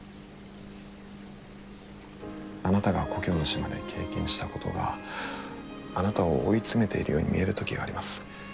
あなたが故郷の島で経験したことがあなたを追い詰めているように見える時があります。